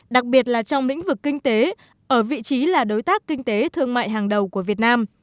đặc biệt là trong lĩnh vực kinh tế ở vị trí là đối tác kinh tế thương mại hàng đầu của việt nam